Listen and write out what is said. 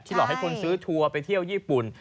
หลอกให้คนซื้อทัวร์ไปเที่ยวญี่ปุ่น